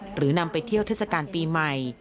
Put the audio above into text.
หรือนำไปเที่ยวเทศกาลปีใหม่